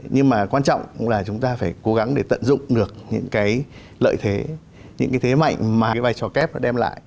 nhưng mà quan trọng là chúng ta phải cố gắng để tận dụng được những cái lợi thế những cái thế mạnh mà cái vai trò kép nó đem lại